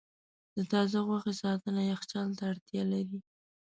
د تازه غوښې ساتنه یخچال ته اړتیا لري.